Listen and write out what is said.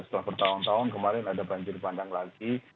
setelah bertahun tahun kemarin ada banjir bandang lagi